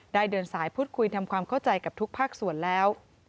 เดินสายพูดคุยทำความเข้าใจกับทุกภาคส่วนแล้ว